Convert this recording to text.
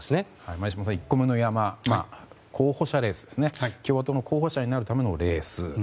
前嶋さん、１個目の山共和党の候補者になるためのレース。